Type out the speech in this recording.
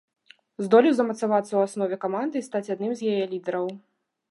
Здолеў замацавацца ў аснове каманды і стаць адным з яе лідараў.